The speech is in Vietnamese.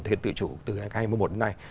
thực hiện tự chủ từ ngày hai mươi một đến nay